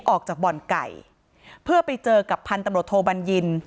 ออกจากบ่อนไก่เพื่อไปเจอกับพันธุ์ตำรวจโทบัญญิน